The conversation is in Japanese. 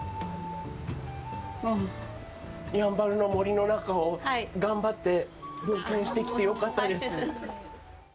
やんばるの森の中を頑張って冒険してきてよかったです。